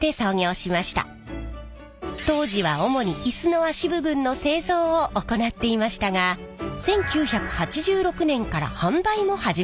当時は主にイスの脚部分の製造を行っていましたが１９８６年から販売も始めました。